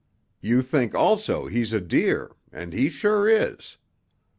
You think also he's a deer, and he sure is.